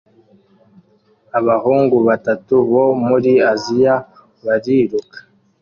Abahungu batatu bo muri Aziya bariruka